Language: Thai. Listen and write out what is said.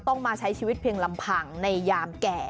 ต้องมาใช้ชีวิตเพียงลำพังในยามแก่